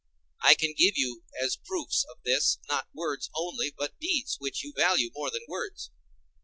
I can give you as proofs of this, not words only, but deeds, which you value more than words.